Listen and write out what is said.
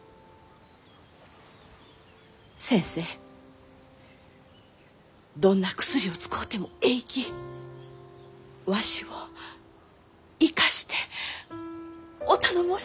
先生どんな薬を使うてもえいきわしを生かしてお頼申します！